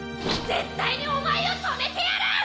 絶対にお前を止めてやる！